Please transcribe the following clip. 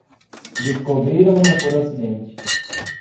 Descobriram-na por acidente.